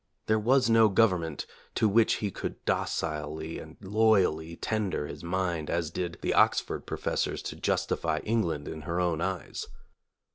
There was no government to which he could docilely and loyally tender his mind as did the Oxford professors to justify England in her own eyes.